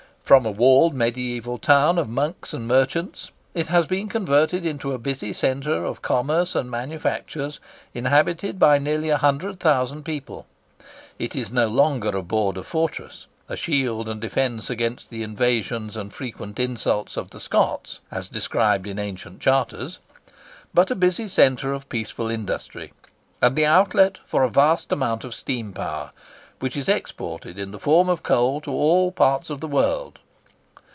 From a walled mediæval town of monks and merchants, it has been converted into a busy centre of commerce and manufactures inhabited by nearly 100,000 people. It is no longer a Border fortress—a "shield and defence against the invasions and frequent insults of the Scots," as described in ancient charters—but a busy centre of peaceful industry, and the outlet for a vast amount of steam power, which is exported in the form of coal to all parts of the world.